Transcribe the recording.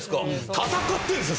戦ってるんですよ